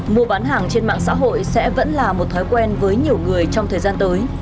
mua bán hàng trên mạng xã hội sẽ vẫn là một thói quen với nhiều người trong thời gian tới